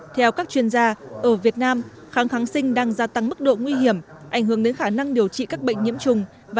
theo các chuyên gia ở việt nam kháng kháng sinh đang gia tăng mức độ nguy hiểm ảnh hưởng đến khả năng điều trị các bệnh nhiễm trùng